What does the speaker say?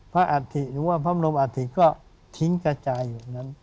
พระอาธิกษ์อยู่แหวะพระมรมอาธิกษ์ก็ทิ้งกระจายอยู่แน่น